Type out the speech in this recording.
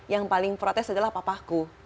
yang paling protes adalah papaku